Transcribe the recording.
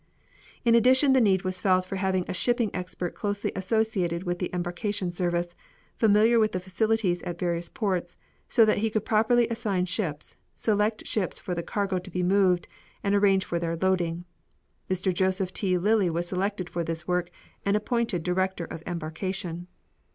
In addition the need was felt for having a shipping expert closely associated with the Embarkation Service, familiar with the facilities at various ports, so that he could properly assign ships, select ships for the cargo to be moved, and arrange for their loading. Mr. Joseph T. Lilly was selected for this work and appointed director of embarkation.